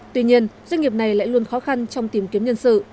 tuy nhiên doanh nghiệp này lại luôn khó khăn trong tìm kiếm nhân sự